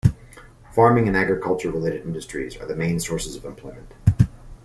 Farming and agriculture-related industries are the main sources of employment.